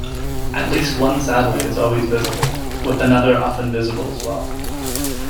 At least one satellite is always visible, with another often visible as well.